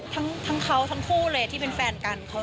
ทั้งเขาทั้งคู่เลยที่เป็นแฟนกัน